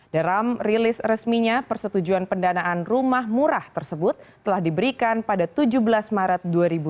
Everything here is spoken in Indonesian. dalam rilis resminya persetujuan pendanaan rumah murah tersebut telah diberikan pada tujuh belas maret dua ribu dua puluh